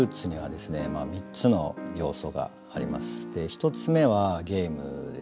１つ目はゲームですね。